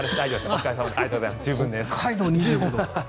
北海道２５度。